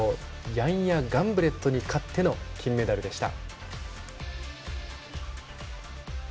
ヤンヤ・ガンブレットに勝っての金メダルでした。